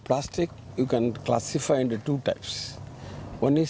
plastik ini bisa diklasifikasi menjadi dua jenis